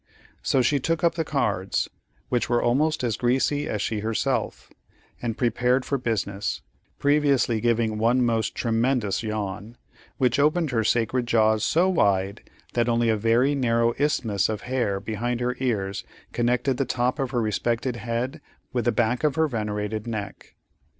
So she took up the cards, which were almost as greasy as she herself, and prepared for business, previously giving one most tremendous yawn, which opened her sacred jaws so wide that only a very narrow isthmus of hair behind her ears connected the top of her respected head with the back of her venerated neck.